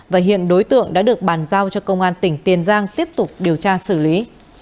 và hiện đối tượng đã được bàn giao cho công an tỉnh tiền giang tiếp tục điều tra xử lý